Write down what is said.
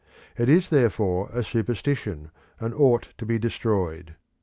It is therefore a superstition, and ought to be destroyed.